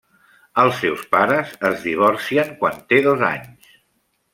Els seus pares es divorcien quan té dos anys.